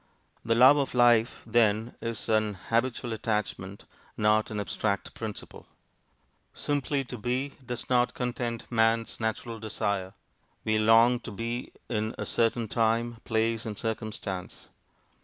The love of life, then, is an habitual attachment, not an abstract principle. Simply to be does not 'content man's natural desire': we long to be in a certain time, place, and circumstance.